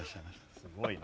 すごいな。